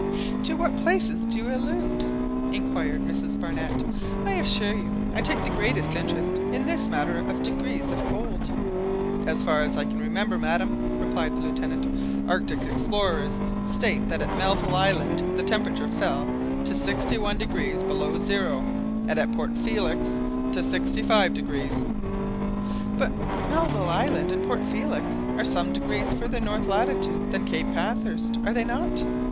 "To what places do you allude?" inquired Mrs Barnett; "I assure you I take the greatest interest in this matter of degrees of cold." "As far as I can remember, madam," replied the Lieutenant, Arctic explorers state that at Melville Island the temperature fell to 61° below zero, and at Port Felix to 65°." "But Melville Island and Port Felix are some degrees farther north latitude than Cape Bathurst, are they not?"